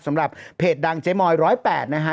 สำหรับเพจดังเจ๊มอย๑๐๘นะฮะ